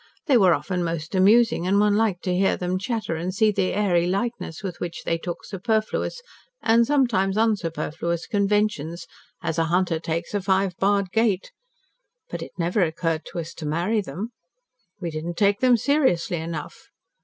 They were often most amusing, and one liked to hear them chatter and see the airy lightness with which they took superfluous, and sometimes unsuperfluous, conventions, as a hunter takes a five barred gate. But it never occurred to us to marry them. We did not take them seriously enough.